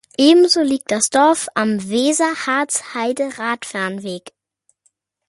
Ebenso liegt das Dorf am Weser-Harz-Heide-Radfernweg.